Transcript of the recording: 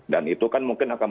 dan itu kan mungkin akan berlaku